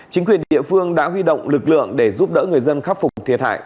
chính quyền địa phương đã huy động lực lượng để giúp đỡ người dân khắc phục thiệt hại